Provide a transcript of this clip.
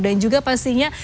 dan juga pastinya